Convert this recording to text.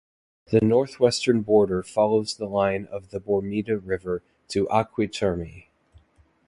The northwestern border follows the line of the Bormida River to Acqui Terme.